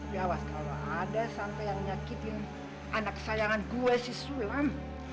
biasa kalau ada sampai yang nyakitin anak kesayangan gue si suwe mam